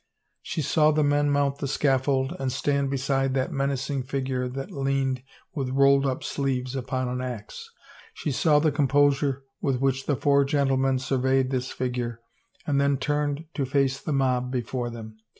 She saw the men mount the scaffold, and stand beside that menacing figure that leaned, with rolled up sleeves, upon an ax. She saw the composure with which the four gentlemen sur veyed this figure and then turned to face the mob before them.